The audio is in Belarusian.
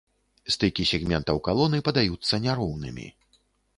Стыкі сегментаў калоны падаюцца няроўнымі.